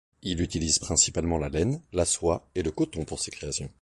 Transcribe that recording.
Il utilise principalement la laine, la soie et le coton pour ses créations.